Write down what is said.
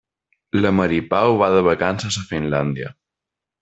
La Mari Pau va de vacances a Finlàndia.